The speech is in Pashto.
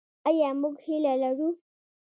آیا موږ هیله لرو؟